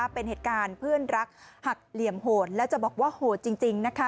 เป็นเหตุการณ์เพื่อนรักหักเหลี่ยมโหดแล้วจะบอกว่าโหดจริง